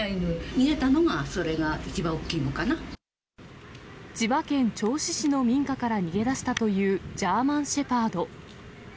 逃げたのが、それが一番大きいの千葉県銚子市の民家から逃げ出したという、ジャーマンシェパード。